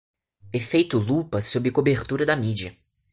Efeito lupa sob cobertura da mídia